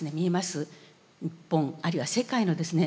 日本あるいは世界のですね